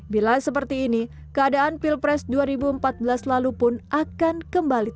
bila seperti ini keadaan pilpres dua ribu empat belas lalu pun akan kembali terjadi